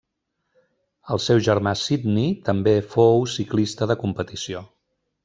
El seu germà Sydney també fou ciclista de competició.